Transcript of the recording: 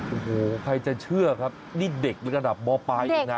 โอ้โฮใครจะเชื่อครับนี่เด็กหรือกระดับมปลายอีกนะ